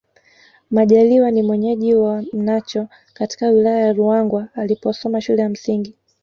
Majaliwa ni mwenyeji wa Mnacho katika Wilaya ya Ruangwa aliposoma shule ya msingi